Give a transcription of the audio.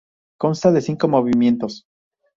Consta de cinco movimientos.